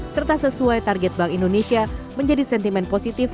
serta sesuai target bank indonesia menjadi sentimen positif